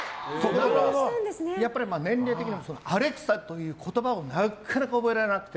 年齢的にアレクサという言葉をなかなか覚えられなくて。